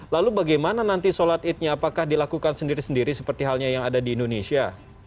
lalu bagaimana nanti sholat idnya apakah dilakukan sendiri sendiri seperti halnya yang ada di indonesia